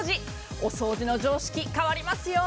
お掃除の常識、変わりますよ。